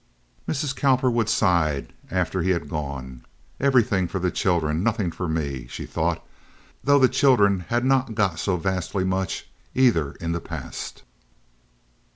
Mrs. Cowperwood sighed after he had gone. "Everything for the children, nothing for me," she thought, though the children had not got so vastly much either in the past.